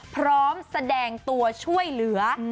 พร้อมแสดงตัวช่วยเหลือ